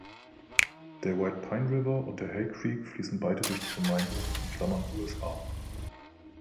Der White Pine River und der Hay Creek fließen beide durch die Gemeinde (USA).